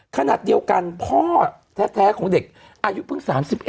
ขณะเดียวกันพ่อแท้ของเด็กอายุเพิ่ง๓๑